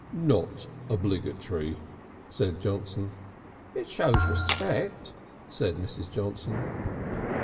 "Not obligatory," said Johnson. "It shows respect," said Mrs. Johnson.